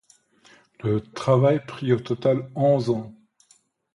Le travail prit au total onze ans.